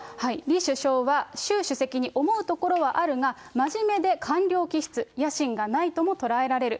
李首相は、習主席に思うところはあるが、真面目で官僚気質、野心がないとも捉えられる。